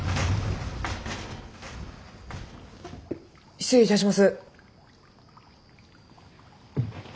失礼いたします。